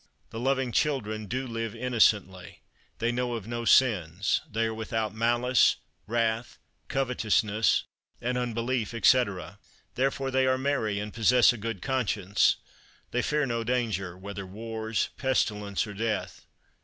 The loving children do live innocently, they know of no sins, they are without malice, wrath, covetousness, and unbelief, etc. Therefore they are merry and possess a good conscience; they fear no danger, whether wars, pestilence, or death.